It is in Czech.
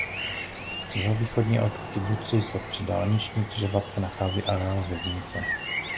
Jihovýchodně od kibucu se při dálniční křižovatce nachází areál věznice.